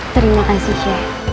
terima kasih shay